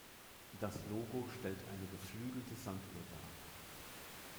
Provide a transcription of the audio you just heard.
Das Logo stellt eine geflügelte Sanduhr dar.